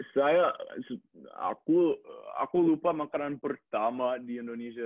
saya aku lupa makanan pertama di indonesia